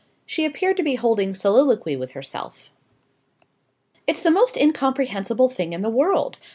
She appeared to be holding soliloquy with herself. "It's the most incomprehensible thing in the world!